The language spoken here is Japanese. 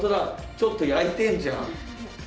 ちょっと焼いてんじゃん。